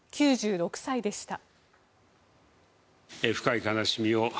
９６歳でした。